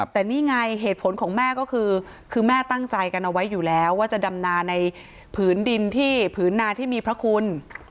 แต่นี่ไงเหตุผลของแม่ก็คือแม่ตั้งใจกันเอาไว้อยู่แล้วว่าจะดำนาในผืนดินที่ผืนนาที่มีพระคุณ